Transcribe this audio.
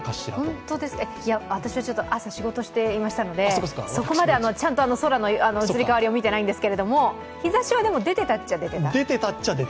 本当ですね、いや私はちょっと朝、仕事していましたのでそこまでちゃんと空の移り変わりを見ていないんですけれども日ざしは出てたっちゃ出てた。